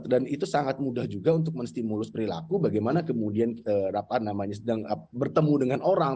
dan itu sangat mudah juga untuk menstimulus perilaku bagaimana kemudian namanya sedang bertemu dengan orang